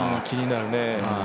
気になるね。